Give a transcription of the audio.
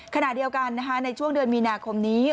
ขณะเดียวกันในช่วงเดือนมีนาคมนี้